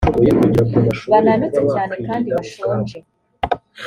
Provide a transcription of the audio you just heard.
bananutse cyane kandi bashonje